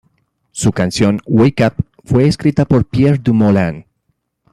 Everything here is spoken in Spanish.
Su canción, "Wake Up", fue escrita por Pierre Dumoulin.